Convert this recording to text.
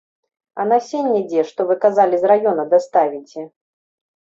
А насенне дзе, што вы казалі, з раёна даставіце?